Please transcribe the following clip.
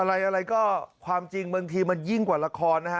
อะไรอะไรก็ความจริงบางทีมันยิ่งกว่าละครนะฮะ